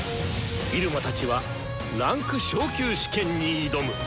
入間たちは位階昇級試験に挑む！